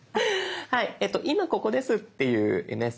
はい今ここですっていうメッセージと。